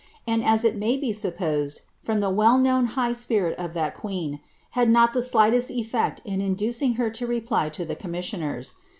and as it may be supposed, from the well known I spirit of that queen, had not the slightest ctlect in inducing her lo n lo the commissioners.